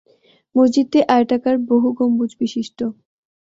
মসজিদটি আয়তাকার বহু-গম্বুজ বিশিষ্ট।